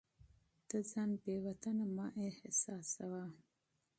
ته ځان بې وطنه مه احساسوه.